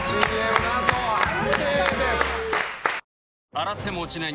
洗っても落ちない